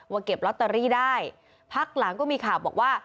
เก็บลอตเตอรี่ได้พักหลังก็มีข่าวบอกว่า